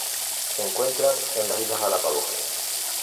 Se encuentran en las islas Galápagos.